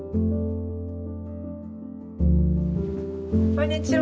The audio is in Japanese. こんにちは。